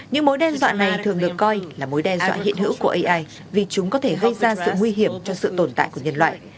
những mối đe dọa này thường được coi là mối đe dọa hiện hữu của ai vì chúng có thể gây ra sự nguy hiểm cho sự tồn tại của nhân loại